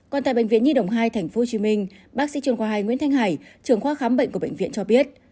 còn tại bệnh viện nhi đồng hai tp hcm bác sĩ chuyên khoa hai nguyễn thanh hải trường khoa khám bệnh của bệnh viện cho biết